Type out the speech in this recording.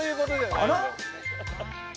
あら？